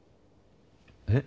えっ？